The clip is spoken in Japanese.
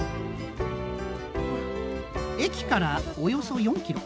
駅からおよそ４キロ。